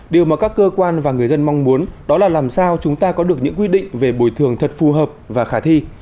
điều mà các cơ quan và người dân mong muốn đó là làm sao chúng ta có được những quy định về bồi thường thật phù hợp và khả thi